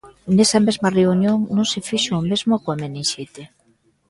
Nesa mesma reunión non se fixo o mesmo coa meninxite.